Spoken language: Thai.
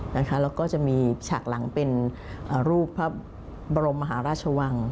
แล้วก็จะมีฉากหลังเป็นรูปพระบรมมหาราชวัง